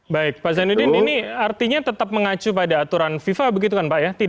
baik pak zainuddin ini artinya tetap mengacu pada aturan fifa begitu kan pak ya